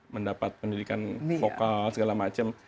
mendapat pendidikan vokal segala macam